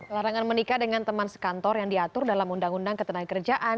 larangan menikah dengan teman sekantor yang diatur dalam undang undang ketenagakerjaan